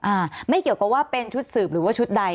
อ่าไม่เกี่ยวกับว่าเป็นชุดสืบหรือว่าชุดใด